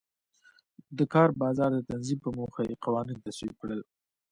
د کار بازار د تنظیم په موخه یې قوانین تصویب کړل.